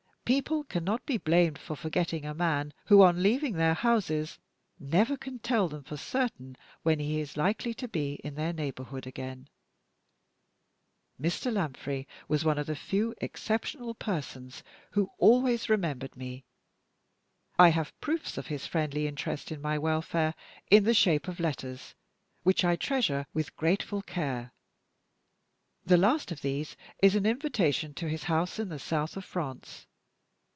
People cannot be blamed for forgetting a man who, on leaving their houses, never can tell them for certain when he is likely to be in their neighborhood again. Mr. Lanfray was one of the few exceptional persons who always remembered me. I have proofs of his friendly interest in my welfare in the shape of letters which I treasure with grateful care. The last of these is an invitation to his house in the South of France.